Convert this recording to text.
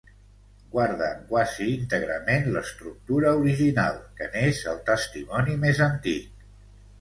Guarda quasi íntegrament l'estructura original, que n'és el testimoni més antic.